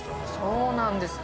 そうなんですか。